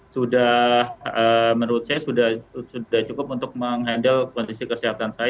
sudah menurut saya sudah cukup untuk menghandle kondisi kesehatan saya